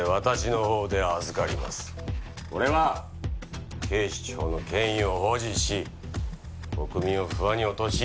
これは警視庁の権威を保持し国民を不安に陥れないためです。